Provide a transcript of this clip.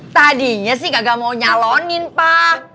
tadinya sih gagal mau nyalonin pak